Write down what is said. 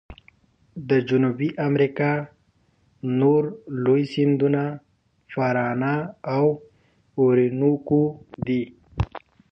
د جنوبي امریکا نور لوی سیندونه پارانا او اورینوکو دي.